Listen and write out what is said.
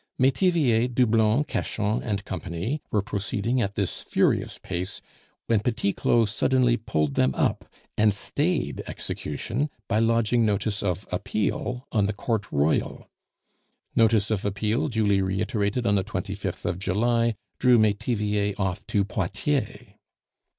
Metivier, Doublon, Cachan & Company were proceeding at this furious pace, when Petit Claud suddenly pulled them up, and stayed execution by lodging notice of appeal on the Court Royal. Notice of appeal, duly reiterated on the 25th of July, drew Metivier off to Poitiers.